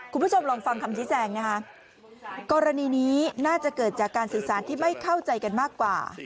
คุณผู้ชมลองฟังคำชี้แจงนะคะกรณีนี้น่าจะเกิดจากการสื่อสารที่ไม่เข้าใจกันมากกว่า